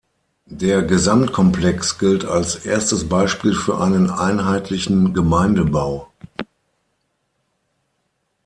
Der Gesamtkomplex gilt als erstes Beispiel für einen einheitlichen Gemeindebau.